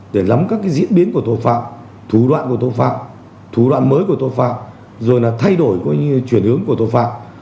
để lắm các diễn biến của tội phạm thủ đoạn của tội phạm thủ đoạn mới của tội phạm rồi thay đổi chuyển hướng của tội phạm